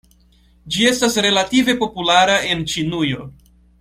Ĝi estas relative populara en Ĉinujo.